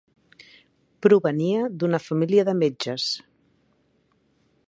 Provenia d'una família de metges.